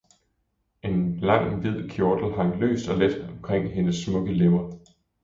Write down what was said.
en lang, hvid kjortel hang løst og let omkring hendes smukke lemmer.